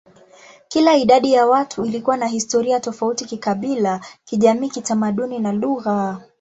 Kila idadi ya watu ilikuwa na historia tofauti kikabila, kijamii, kitamaduni, na lugha.